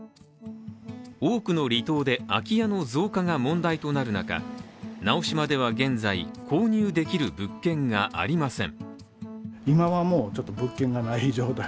多くの離島で空き家の増加が問題となる中、直島では現在、購入できる物件がありません。